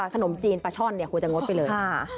ขนมจีนปลาช่อนควรจะงดไปเลย